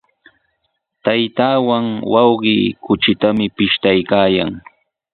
Taytaawan wawqi kuchitami pishtaykaayan.